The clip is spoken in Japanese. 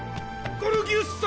ゴルギウス様！